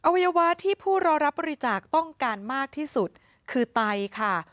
วัยวะที่ผู้รอรับบริจาคต้องการมากที่สุดคือไตค่ะ